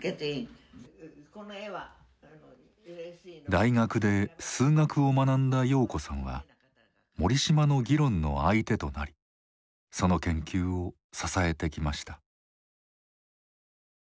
大学で数学を学んだ瑤子さんは森嶋の議論の相手となりその研究を支えてきました。